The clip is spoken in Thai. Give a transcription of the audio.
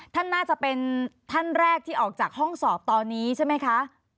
ท่านน่าจะเป็นท่านแรกที่ออกจากห้องสอบตอนนี้ใช่ไหมคะ